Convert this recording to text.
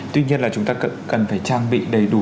tuy nhiên là chúng ta cần phải trang bị đầy đủ